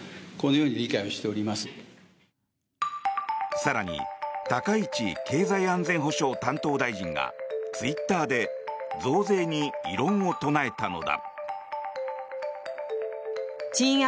更に高市経済安全保障担当大臣がツイッターで増税に異論を唱えたのだ。